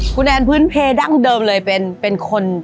คุณแอนพื้นเพดั้งเดิมเลยเป็นคน